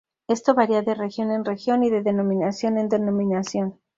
Esto varía de región en región, y de denominación en denominación.